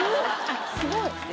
すごい。